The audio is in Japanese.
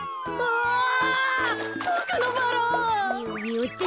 よっと。